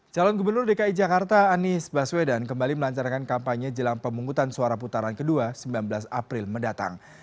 calon gubernur dki jakarta anies baswedan kembali melancarkan kampanye jelang pemungutan suara putaran kedua sembilan belas april mendatang